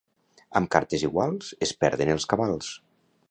Amb cartes iguals es perden els cabals.